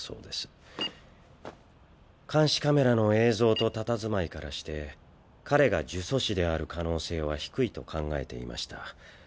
ピッ監視カメラの映像とたたずまいからして彼が呪詛師である可能性は低いと考えていました。